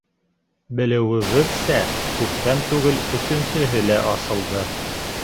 Белеүебеҙсә, күптән түгел өсөнсөһө лә асылды.